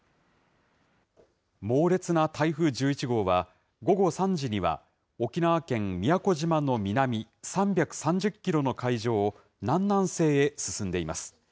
猛烈な台風１１号は、午後３時には沖縄県宮古島の南３３０キロの海上を南南西へ進んでいます。